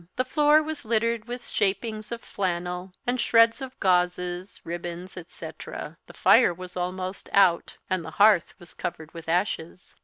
The floor was littered with shapings of flannel, and shreds of gauzes, ribbons, etc. The fire was almost out, and the hearth was covered with ashes.